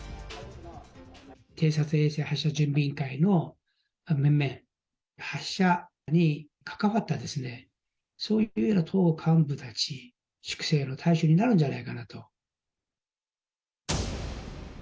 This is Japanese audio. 偵察衛星発射準備委員会の面々、発射に関わった、そういうような党幹部たち、粛清の対象になるんじゃないのかなと。